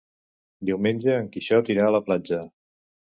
Diumenge en Quixot irà a la platja.